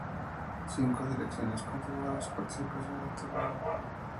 Cinco selecciones confirmaron su participación en el torneo.